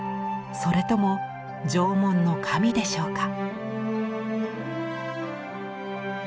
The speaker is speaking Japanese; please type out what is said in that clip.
それとも縄文の神でしょうか。